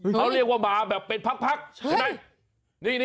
เขาเรียกว่ามาแบบเป็นพักใช่ไหม